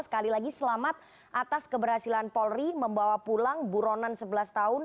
sekali lagi selamat atas keberhasilan polri membawa pulang buronan sebelas tahun